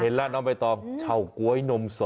ผมเห็นแล้วน้องไปตอบเฉาก๊วยนมสด